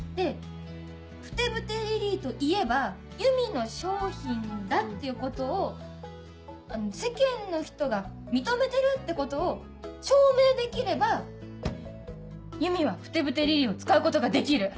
で「ふてぶてリリイ」といえばゆみの商品だっていうことを世間の人が認めてるってことを証明できればゆみは「ふてぶてリリイ」を使うことができる！